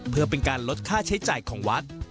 เพื่อเป็นการลดค่าใช้จ่ายของวัด